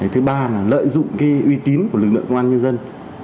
thứ ba là lợi dụng uy tín của lực lượng công an nhân dân